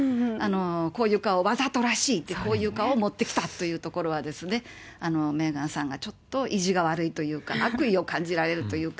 こういう顔、わざとらしいっていう、こういう顔を持ってきたというところはですね、メーガンさんがちょっと意地が悪いというか、悪意を感じられるというか。